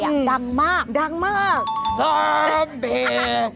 ดังมากสอมบี้จนชลบไปนะ